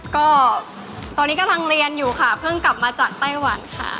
ก็ตอนนี้กำลังเรียนอยู่ค่ะเพิ่งกลับมาจากไต้หวันค่ะ